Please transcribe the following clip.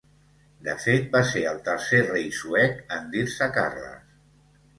De fet va ser el tercer rei suec en dir-se Carles.